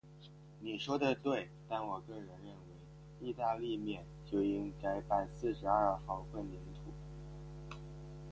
你说得对，但我个人认为，意大利面就应该拌四十二号混凝土。